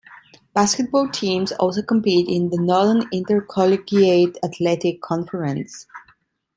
Basketball teams also compete in the Northern Intercollegiate Athletic Conference.